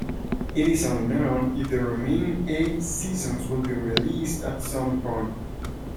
It is unknown if the remaining eight seasons will be released at some point.